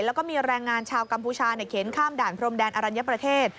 แล้วก็มีแรงงานชาวกัมพูชาเข็นข้ามด่านพรมแดนอรัญญประเทศ